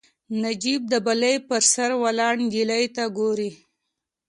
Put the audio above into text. تعجب د بلۍ په سر ولاړې نجلۍ ته ګوري